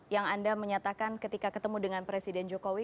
yang anda menyatakan ketika ketemu dengan presiden jokowi